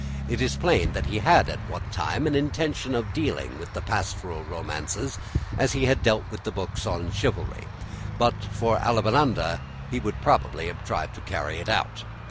It is plain that he had at one time an intention of dealing with the pastoral romances as he had dealt with the books of chivalry, and but for Avellaneda he would have tried to carry it out.